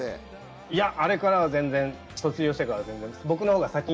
あれからは全然、卒業してからは。